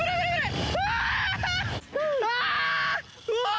うわ！